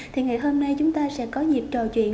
thì ngày hôm nay chúng ta sẽ có dịp trò chuyện